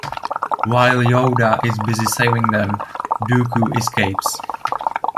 While Yoda is busy saving them, Dooku escapes.